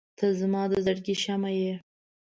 • ته زما د زړګي شمعه یې.